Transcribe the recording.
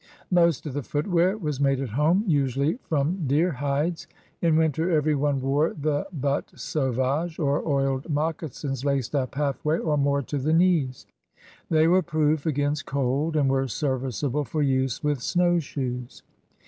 Most of the footwear was made at home, usually from deerhides. In winter every one wore the bottes sauvageSf or oiled moccasins laced up half way or more to the knees. They were proof against cold and were serviceable for use with snow shoes.